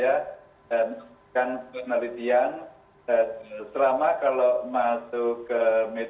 dan kan penelitian selama kalau masuk ke medis